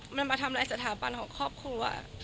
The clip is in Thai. มันมาทำร้ายศาสมปรรถของครอบครู